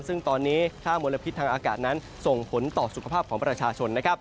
ซึ่งตอนนี้ค่ามลพิษทางอากาศนั้นส่งผลต่อสุขภาพของประชาชนนะครับ